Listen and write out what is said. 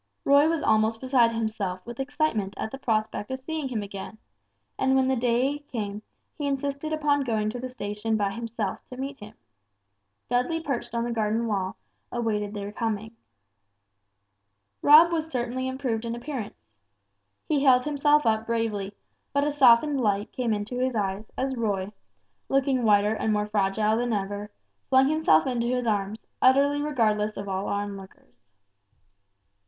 Roy was almost beside himself with excitement at the prospect of seeing him again; and when the day came, he insisted upon going to the station by himself to meet him. Dudley perched on the garden wall awaited their coming. Rob was certainly improved in appearance. He held himself up bravely, but a softened light came into his eyes, as Roy, looking whiter and more fragile than ever, flung himself into his arms, utterly regardless of all onlookers.